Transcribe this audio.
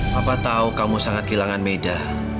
papa tahu kamu sangat kehilangan medha